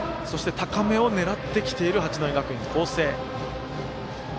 高めを狙ってきている八戸学院光星。